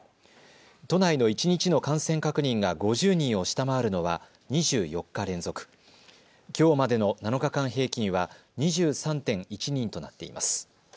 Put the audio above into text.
都内の一日の感染確認が５０人を下回るのは２４日連続、きょうまでの７日間平均は２３．１人となっています。